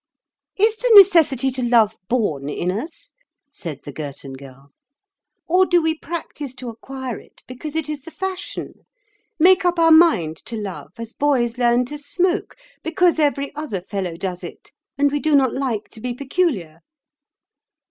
"Is the necessity to love born in us," said the Girton Girl, "or do we practise to acquire it because it is the fashion—make up our mind to love, as boys learn to smoke, because every other fellow does it, and we do not like to be peculiar?"